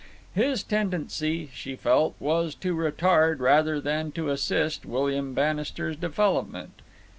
His tendency, she felt, was to retard rather than to assist William Bannister's development.